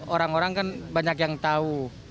orang orang kan banyak yang tahu